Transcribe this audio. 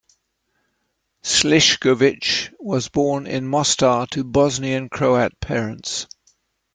Slišković was born in Mostar to Bosnian Croat parents.